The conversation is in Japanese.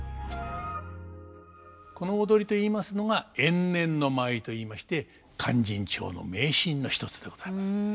この踊りといいますのが延年の舞といいまして「勧進帳」の名シーンの一つでございます。